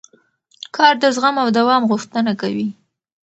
کار د زغم او دوام غوښتنه کوي